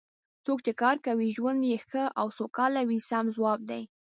څوک چې کار کوي ژوند یې ښه او سوکاله وي سم ځواب دی.